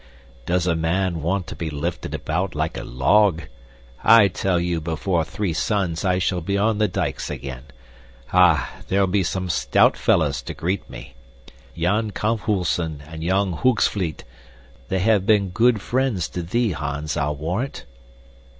"Does a man want to be lifted about like a log? I tell you before three suns I shall be on the dikes again. Ah! There'll be some stout fellows to greet me. Jan Kamphuisen and young Hoogsvliet. They have been good friends to thee, Hans, I'll warrant."